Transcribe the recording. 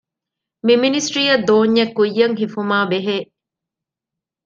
މި މިނިސްޓްރީއަށް ދޯންޏެއް ކުއްޔަށް ހިފުމާއި ބެހޭ